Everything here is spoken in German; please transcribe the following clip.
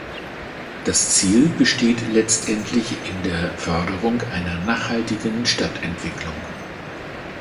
Das Ziel besteht letztendlich in der Förderung einer nachhaltigen Stadtentwicklung.